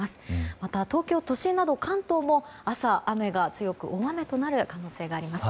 また東京都心など関東も朝、雨が強く大雨となる可能性があります。